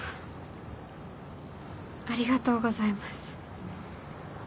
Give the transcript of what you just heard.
ありがとうございます。